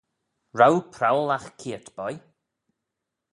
R'ou prowal agh keayrt, boy?